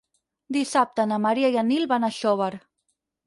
Dissabte na Maria i en Nil van a Xóvar.